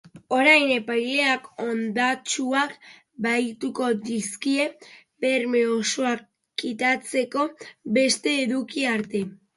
Orain, epaileak ondasunak bahituko dizkie, berme osoa kitatzeko beste eduki arte.